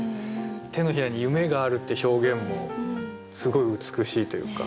「手のひらに夢がある」って表現もすごい美しいというか。